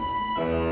tidak ada apa apa